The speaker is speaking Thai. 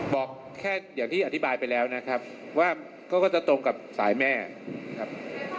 บอกแค่อย่างที่อธิบายไปแล้วนะครับว่าเขาก็จะตรงกับสายแม่ครับ